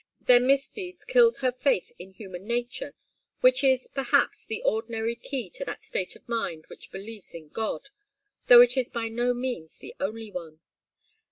Their misdeeds killed her faith in human nature, which is, perhaps, the ordinary key to that state of mind which believes in God, though it is by no means the only one.